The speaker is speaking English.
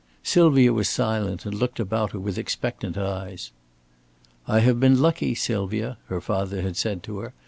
Sylvia was silent and looked about her with expectant eyes. "I have been lucky, Sylvia," her father had said to her.